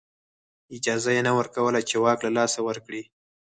اجازه یې نه ورکوله چې واک له لاسه ورکړي